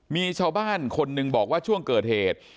มีชาวบ้านคนหนึ่งบอกว่าช่วงเกิดเหตุ